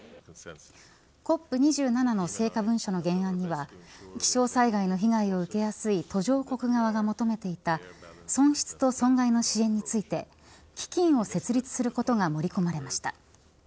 ＣＯＰ２７の成果文書の原案には気象災害の被害を受けやすい途上国側が求めていた損失と損害の支援について基金を設立することが盛り込まれました。